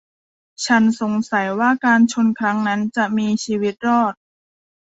ฉันสงสัยว่าการชนครั้งนั้นจะมีชีวิตรอด